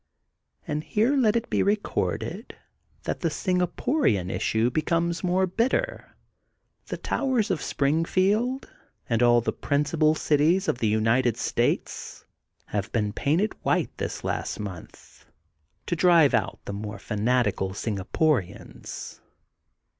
And here let it be recorded that, the Singa porian issue becoming more bitter, the towers of Springfield and all the principal cities of the United States have been painted white this last month, to drive out the more fan atical Singaporians.